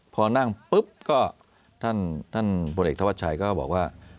พอนั่งปุ๊บก็ท่านพลเอกธวัชชัยก็บอกว่า